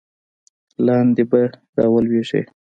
لاندې به را ولویږې.